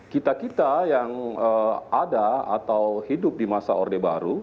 kita kita yang ada atau hidup di masa orde baru